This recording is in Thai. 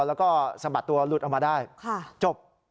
แล้วก็สะบัดตัวหลุดออกมาได้จบ